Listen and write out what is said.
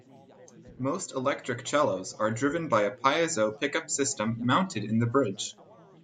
Most electric cellos are driven by a piezo pickup system mounted in the bridge.